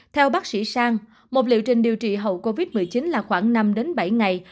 theo bác sĩ sang một liệu trình điều trị hậu covid một mươi chín là khoảng năm bảy ngày